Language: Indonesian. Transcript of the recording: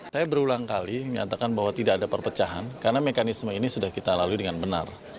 saya berulang kali menyatakan bahwa tidak ada perpecahan karena mekanisme ini sudah kita lalui dengan benar